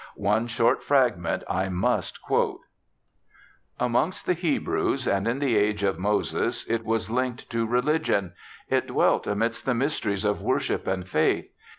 One short fragment I must quote : 'Amongst the Hebrews, and in the age of Moses, it was linked to religion ; it dwelt amidst the mysteries of Worship and Faith.